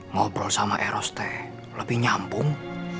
ngobrol sama eros teh lebih nyambung